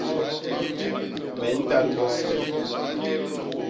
Me ntat boñge.